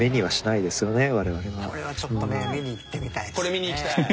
これはちょっとね見に行ってみたいですね。